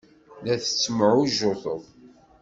La tettemɛujjuteḍ.